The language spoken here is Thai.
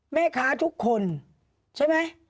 แม่ค้าทุกคนใช่ไหม